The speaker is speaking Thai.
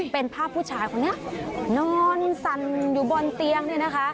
เป็นภาพผู้ชายคนนี้นอนสั่นอยู่บนเตียง